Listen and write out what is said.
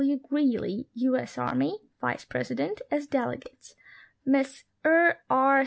W. Greely, U. S. Army, Vice President, as delegates ; Miss E. R.